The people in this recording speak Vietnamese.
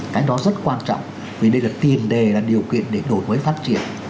cái đó rất quan trọng vì đây là tiền đề là điều kiện để đổi mới phát triển